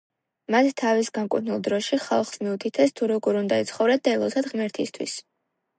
მათ თავის განკუთვნილ დროში ხალხს მიუთითეს თუ როგორ უნდა ეცხოვრათ და ელოცათ ღმერთისთვის.